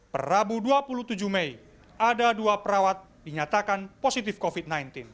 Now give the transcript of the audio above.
perabu dua puluh tujuh mei ada dua perawat dinyatakan positif covid sembilan belas